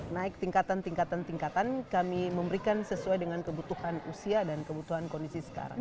naik tingkatan tingkatan tingkatan kami memberikan sesuai dengan kebutuhan usia dan kebutuhan kondisi sekarang